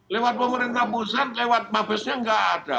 lewat pemerintah pusat lewat mabesnya nggak ada